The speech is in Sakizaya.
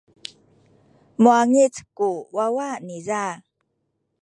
muwangic ku wawa niza.